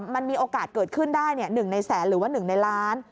มันมีโอกาสเกิดขึ้นได้๑ในแสนหรือว่า๑ในล้าน